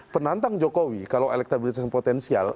penantang jokowi kalau elektabilitas yang potensial